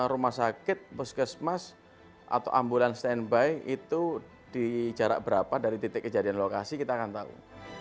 rumah sakit puskesmas atau ambulans standby itu di jarak berapa dari titik kejadian lokasi kita akan tahu